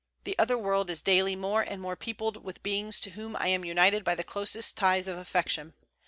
The other world is daily more and more peopled with beings to whom I am united by the closest ties of affection.